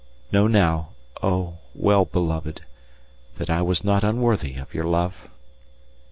Know now, oh, well beloved, that I was not unworthy of your love.